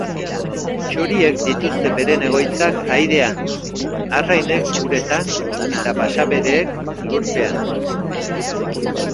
Txoriek dituzte beren egoitzak airean, arrainek uretan eta basabereek lurpean.